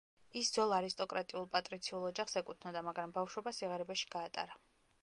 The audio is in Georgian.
ის ძველ არისტოკრატიულ პატრიციულ ოჯახს ეკუთვნოდა, მაგრამ ბავშვობა სიღარიბეში გაატარა.